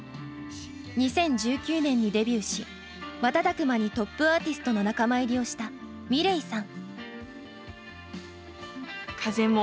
２０１９年にデビューし瞬く間にトップアーティストの仲間入りをしたｍｉｌｅｔさん。